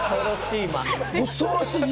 恐ろしい！